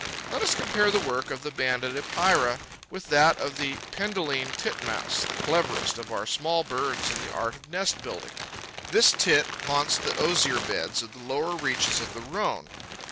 Let us compare the work of the Banded Epeira with that of the Penduline Titmouse, the cleverest of our small birds in the art of nest building. This Tit haunts the osier beds of the lower reaches of the Rhone.